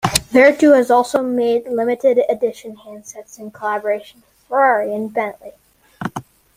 Vertu has also made limited edition handsets in collaboration with Ferrari, and Bentley.